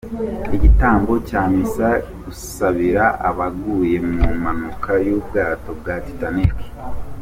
igitambo cya Misa yo gusabira abaguye mu mpanuka y'ubwato bwa Titanic.